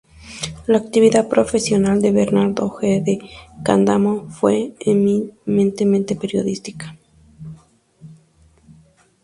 La actividad profesional de Bernardo G. de Candamo fue eminentemente periodística.